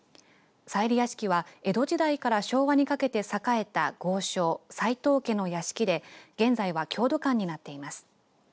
齋理屋敷は江戸時代から昭和にかけて栄えた豪商、齋藤家の屋敷で現在は郷土館になっています。